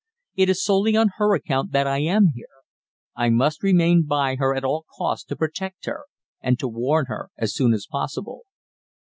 It is solely on her account that I am here. I must remain by her at all costs to protect her and to warn her as soon as possible."